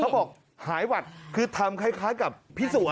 เขาบอกหายหวัดคือทำคล้ายกับพี่สัว